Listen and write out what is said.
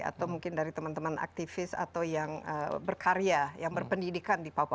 atau mungkin dari teman teman aktivis atau yang berkarya yang berpendidikan di papua